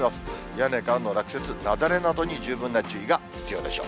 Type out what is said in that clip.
屋根からの落雪、雪崩など十分な注意が必要でしょう。